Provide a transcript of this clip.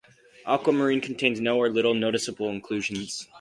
Aquamarine contains no or little noticeable inclusions.